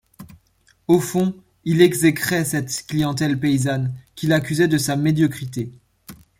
Au fond, il exécrait cette clientèle paysanne, qu’il accusait de sa médiocrité.